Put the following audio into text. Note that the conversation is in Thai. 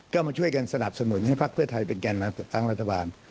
ก็มาช่วยกันสนับสนุนให้พักเพื่อไทยเป็นแก่นำจัดตั้งรัฐบาล